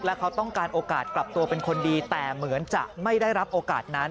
และเขาต้องการโอกาสกลับตัวเป็นคนดีแต่เหมือนจะไม่ได้รับโอกาสนั้น